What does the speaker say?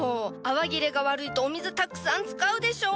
泡切れが悪いとお水たくさん使うでしょ！？